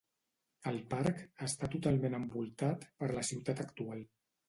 El parc està totalment envoltat per la ciutat actual.